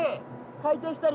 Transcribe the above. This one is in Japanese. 回転したり。